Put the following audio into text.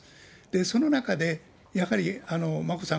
その中で、やはり眞子さん